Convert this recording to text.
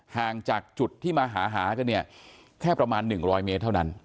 ห่างจากจุดที่มาหากันเนี่ยแค่ประมาณ๑๐๐เมตรเท่านั้น